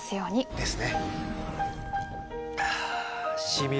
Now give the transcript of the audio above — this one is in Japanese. ですね。